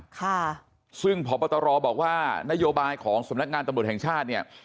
ค่ะซึ่งพบตรบอกว่านโยบายของสำนักงานตำรวจแห่งชาติเนี่ย